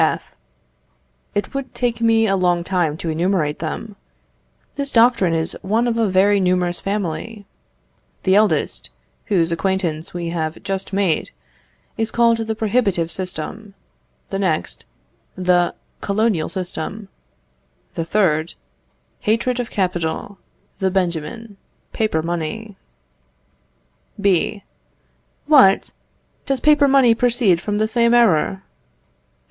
F. It would take me a long time to enumerate them. This doctrine is one of a very numerous family. The eldest, whose acquaintance we have just made, is called the prohibitive system; the next, the colonial system; the third, hatred of capital; the Benjamin, paper money. B. What! does paper money proceed from the same error?